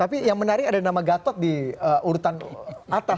tapi yang menarik ada nama gatot di urutan atas